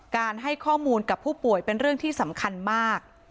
ให้ข้อมูลกับผู้ป่วยเป็นเรื่องที่สำคัญมาก